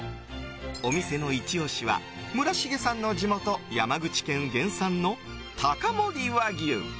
お店のイチ押しは村重さんの地元・山口県原産の高森和牛。